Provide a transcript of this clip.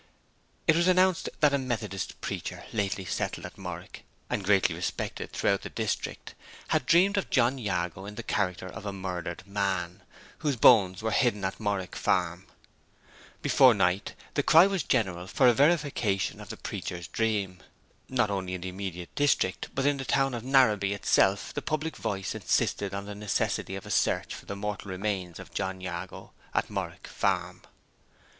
It was announced that a Methodist preacher lately settled at Morwick, and greatly respected throughout the district, had dreamed of John Jago in the character of a murdered man, whose bones were hidden at Morwick Farm. Before night the cry was general for a verification of the preacher's dream. Not only in the immediate district, but in the town of Narrabee itself, the public voice insisted on the necessity of a search for the mortal remains of John Jago at Morwick Farm.